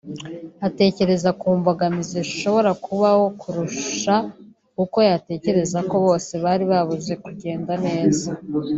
atekereza ku mbogamizi zishobora kubaho kurusha uko yatekereza ko byose biri buze kugenda neza